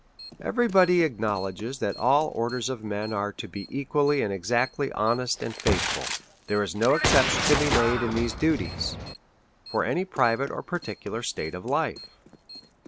103 Every body acknowledges that all orders of men are to be equally and exactly honest and faithful ; there is no exception to be made, in these duties, for any pri vate or particular state of life.